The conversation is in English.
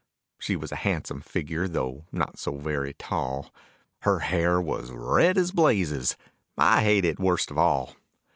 She was a handsome figure though not so very tall; Her hair was red as blazes, I hate it worst of all.